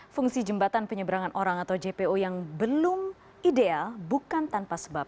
fungsi jembatan penyeberangan orang atau jpo yang belum ideal bukan tanpa sebab